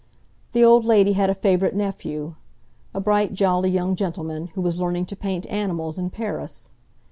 The old lady had a favourite nephew—a bright, jolly young gentleman, who was learning to paint animals in Paris.